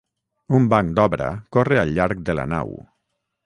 Un banc d'obra corre al llarg de la nau.